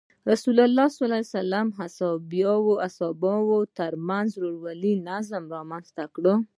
رسول الله د صحابه وو تر منځ د ورورولۍ نظام رامنځته کړ.